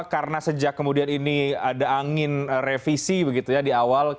karena sejak kemudian ini ada angin revisi di awal